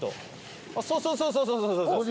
そうそうそうそう！